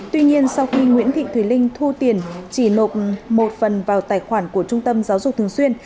tuy nhiên sau khi nguyễn thị thùy linh thu tiền chỉ nộp một phần vào tài khoản của trung tâm giáo dục thường xuyên